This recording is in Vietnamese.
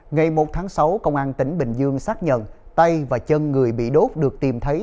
ngày một tháng sáu công an tỉnh bình dương xác nhận tay và chân người bị đốt được tìm thấy